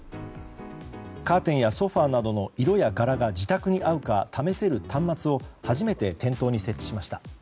カーテンやソファなどの色や柄が自宅に合うか試せる端末を初めて店頭に設置しました。